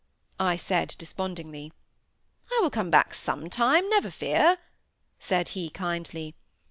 I said, despondingly. "I will come back some time, never fear," said he, kindly.